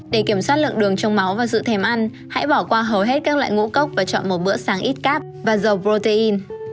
để kiểm soát lượng đường trong máu và dự thèm ăn hãy bỏ qua hầu hết các loại ngũ cốc và chọn màu bữa sáng ít cáp và dầu protein